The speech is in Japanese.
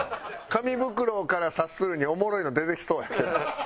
紙袋から察するにおもろいの出てきそうやけど。